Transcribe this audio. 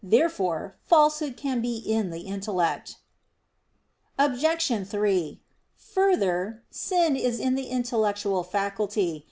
Therefore falsehood can be in the intellect. Obj. 3: Further, sin is in the intellectual faculty.